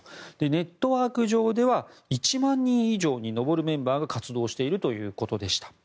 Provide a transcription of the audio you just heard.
ネットワーク上では１万人以上に上るメンバーが活動しているということでした。